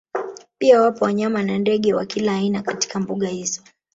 Pia wapo wanyama na ndege wa kila aina katika mbuga hizo